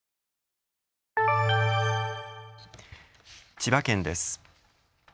千葉県です。